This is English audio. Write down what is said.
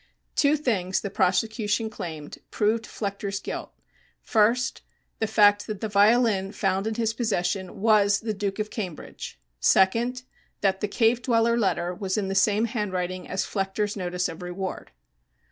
Two things, the prosecution claimed, proved Flechter's guilt: first, the fact that the violin found in his possession was "The Duke of Cambridge"; second, that the "Cave Dweller" letter was in the same handwriting as Flechter's notice of reward.